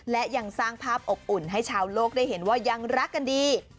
และยังสร้างภาพอบอุ่นให้ชาวโลกได้เห็นว่ายังรักกันดี